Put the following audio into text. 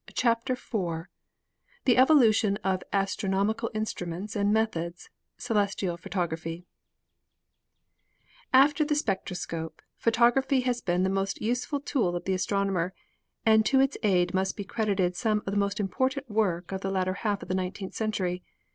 CHAPTER IV THE EVOLUTION OF ASTRONOMICAL INSTRUMENTS AND METHODS CELESTIAL PHOTOGRAPHY After the spectroscope, photography has been the most useful tool of the astronomer, and to its aid must be cred ited some of the most important work of the latter half of the nineteenth century.